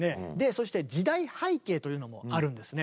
そして時代背景というのもあるんですね